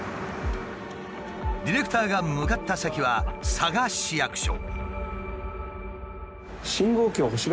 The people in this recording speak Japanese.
ディレクターが向かった先は佐賀市役所。